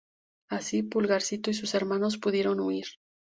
Así Pulgarcito y sus hermanos pudieron huir.